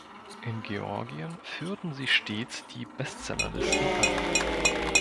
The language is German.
In Georgien führten sie stets die Bestsellerlisten an.